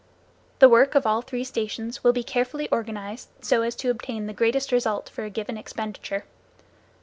The work of all three stations will be carefully organized so as to obtain the greatest result for a given expenditure.